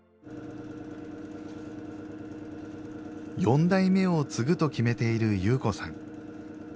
四代目を継ぐと決めている侑子さん。